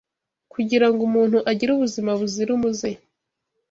kugira ngo umuntu agire ubuzima buzira umuze